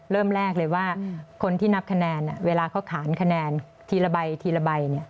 เริ่มแรกเลยว่าคนที่นับคะแนนเวลาเขาขานคะแนนทีละใบทีละใบ